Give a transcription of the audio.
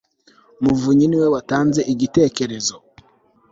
muvunyi niwe watanze igitekerezo